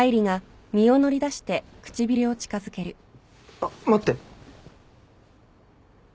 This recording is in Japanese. あっ待って！